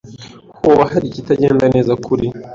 Hoba hari ikitagenda neza kuri ?